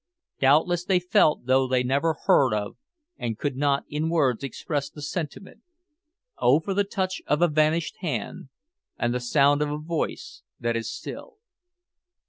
Doubtless they felt though they never heard of, and could not in words express, the sentiment "Oh for the touch of a vanished hand, And the sound of a voice that is still."